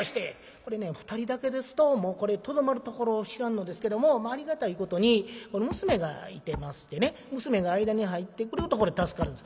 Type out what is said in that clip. これね２人だけですともうこれとどまるところを知らんのですけどもありがたいことに娘がいてましてね娘が間に入ってくれるとこれ助かるんです。